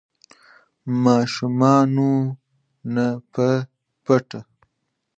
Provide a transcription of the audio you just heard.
ماشومانو نه په پټه